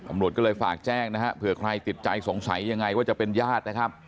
ตำรวจก็เลยฝากแจ้งนะฮะเผื่อใครติดใจสงสัยยังไงว่าจะเป็นญาตินะครับ